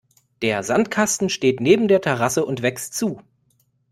Der Sandkasten steht neben der Terrasse und wächst zu.